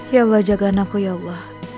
ya allah jaga anakku ya allah